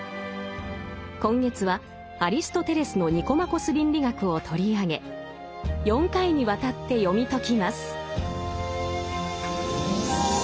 今月はアリストテレスの「ニコマコス倫理学」を取り上げ４回にわたって読み解きます。